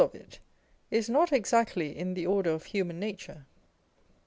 of it, is not exactly in the order of human nature.